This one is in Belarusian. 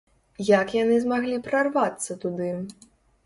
Як яны змаглі прарвацца туды?